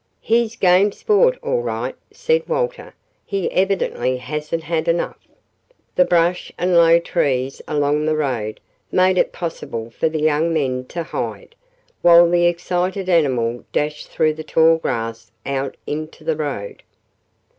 "He's game sport, all right," said Walter. "He evidently hasn't had enough." The brush and low trees along the road made it possible for the young men to hide, while the excited animal dashed through the tall grass out into the road.